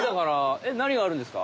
えっ何があるんですか？